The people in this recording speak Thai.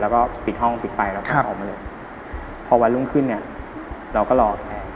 แล้วก็ปิดห้องปิดไฟแล้วก็ออกมาเลยพอวันรุ่งขึ้นเนี่ยเราก็รอ